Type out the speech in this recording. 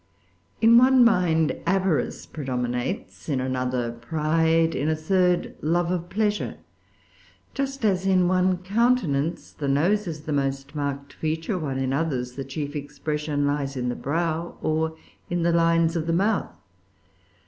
In one mind avarice predominates; in another, pride; in a third, love of[Pg 381] pleasure; just as in one countenance the nose is the most marked feature, while in others the chief expression lies in the brow, or in the lines of the mouth.